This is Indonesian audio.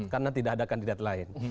karena tidak ada kandidat lain